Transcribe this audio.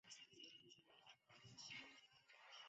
该书的法语原文在十九世纪时撰写。